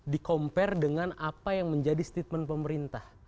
dikompare dengan apa yang menjadi statement pemerintah